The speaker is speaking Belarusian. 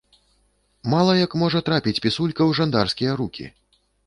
Мала як можа трапіць пісулька ў жандарскія рукі!